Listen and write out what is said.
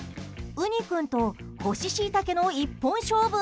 うに君と干しシイタケの一本勝負。